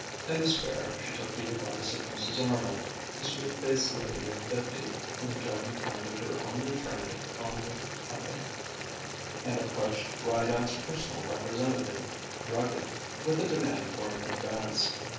In despair she took the advice of Mrs. Arnold (the sweet faced lady of fifty, whom Joan counted her only friend on the company) and approached Rideout's personal representative, Druggett, with a demand for an advance.